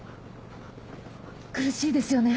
苦しいですよね。